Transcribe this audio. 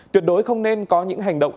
tuyệt đối không nên có những hành động